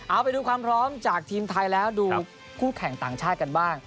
เอาไปดูความพร้อมจากทีมไทยแล้วดูคู่แข่งต่างชาติกันบ้าง